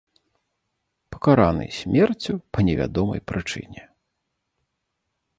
Пакараны смерцю па невядомай прычыне.